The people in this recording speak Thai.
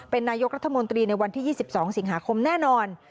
เป็นนายกรัฐมนตรีในวันที่๒๒สิงหาคมแน่นอน